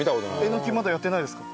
えのきまだやってないですか？